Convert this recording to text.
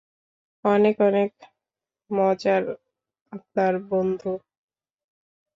অনেক অনেক অনেক মজার আপনার বন্ধু।